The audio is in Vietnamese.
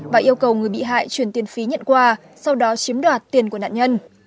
và yêu cầu người bị hại chuyển tiền phí nhận qua sau đó chiếm đoạt tiền của nạn nhân